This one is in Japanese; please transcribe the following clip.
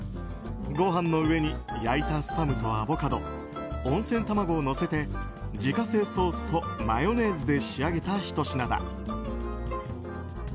ご飯の上に焼いたスパムとアボカド温泉卵をのせて、自家製ソースとマヨネーズで仕上げたひと品だ。